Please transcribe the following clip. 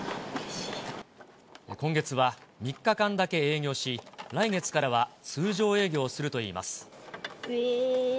今月は３日間だけ営業し、来月からは通常営業するといいます。